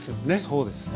そうですね。